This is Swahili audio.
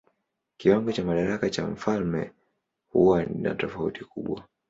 Kiwango cha madaraka cha mfalme huwa na tofauti kubwa.